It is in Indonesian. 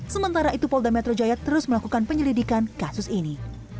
sementara itu polda metro jaya terus melakukan penyelidikan kasus ini